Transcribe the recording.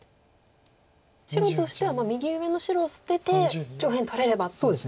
白としては右上の白を捨てて上辺取れればっていう。